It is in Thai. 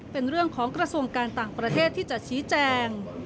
เป็นเรื่องของกระทรวงการต่างประเทศที่จะชี้แจง